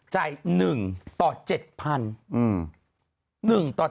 จ่าย๑ต่อ๗๐๐๐บาท